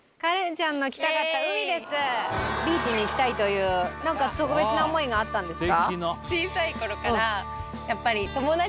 ビーチに来たいという特別な思いがあったんですか？